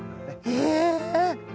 へえ。